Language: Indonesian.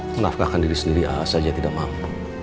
menafkahkan diri sendiri saja tidak mampu